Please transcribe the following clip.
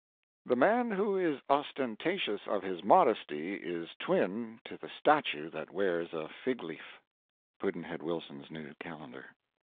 The man who is ostentatious of his modesty is twin to the statue that wears a fig leaf. Pudd'nhead Wilson's New Calendar.